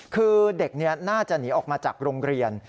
คือเด็กน่าจะหนีออกมาจากโรงเรียน